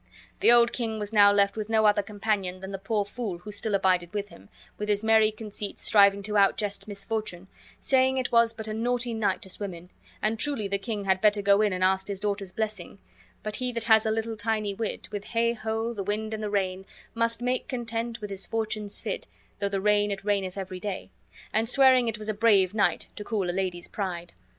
The old king was now left with no other companion than the poor fool, who still abided with him, with his merry conceits striving to outjest misfortune, saying it was but a naughty night to swim in, and truly the king had better go in and ask his daughter's blessing: But he that has a little tiny wit With heigh ho, the wind and the rain, Must make content with his fortunes fit Though the rain it raineth every day, and swearing it was a brave night to cool a lady's pride.